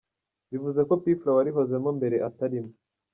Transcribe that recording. Bivuze ko P Fla warihozemo mbere atarimo.